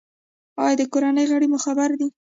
ایا د کورنۍ غړي مو خبر دي؟